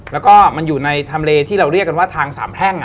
แล้วก็มันอยู่ในทำเลที่เราเรียกกันว่าทางสามแพร่ง